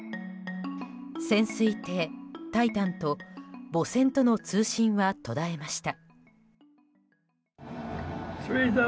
潜水艇「タイタン」と母船との通信は途絶えました。